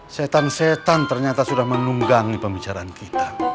setan setan ternyata sudah menunggangi pembicaraan kita